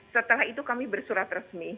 setelah itu kami bersurat resmi